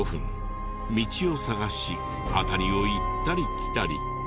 道を探し辺りを行ったり来たり。